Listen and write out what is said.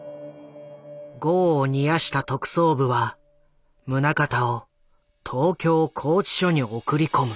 業を煮やした特捜部は宗像を東京拘置所に送り込む。